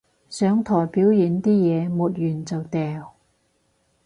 上台表演啲嘢抹完就掉